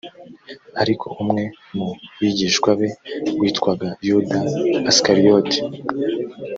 ariko umwe mu bigishwa be witwaga yuda isikariyota